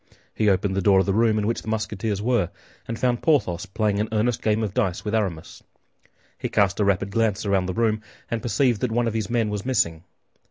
He opened the door of the room in which the Musketeers were, and found Porthos playing an earnest game of dice with Aramis. He cast a rapid glance around the room, and perceived that one of his men was missing.